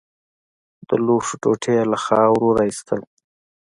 د لوښو ټوټې يې له خاورو راايستل.